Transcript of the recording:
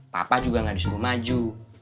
papa juga gak disuruh maju